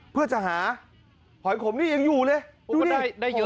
เพื่อจะหาหอยขมนี้ยังอยู่เลย